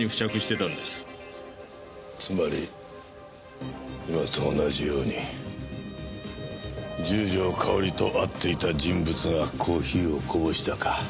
つまり今と同じように十条かおりと会っていた人物がコーヒーをこぼしたか。